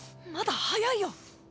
まだ早いよ。